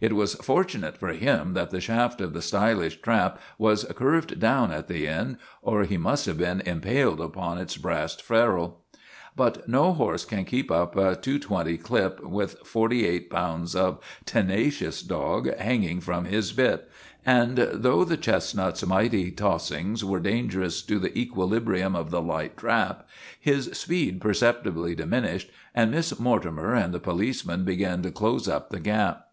It was fortunate for him that the shaft of the stylish trap was curved down at the end, or he must have been impaled upon its brass ferule. But no horse can keep up a 2.20 clip with forty eight pounds of tenacious dog hanging from his bit, and though the chestnut's mighty tossings were dan gerous to the equilibrium of the light trap, his speed perceptibly diminished and Miss Mortimer and the policeman began to close up the gap.